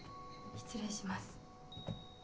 失礼します。